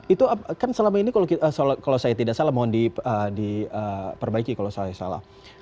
itu kan selama ini kalau saya tidak salah mohon diperbaiki kalau saya salah